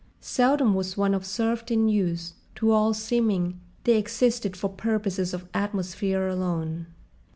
Seldom was one observed in use: to all seeming they existed for purposes of atmosphere alone.